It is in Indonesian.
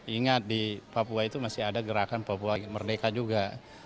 ingat di papua itu masih ada gerakan papua merdeka juga